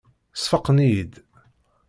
Sfaqen-iyi-id.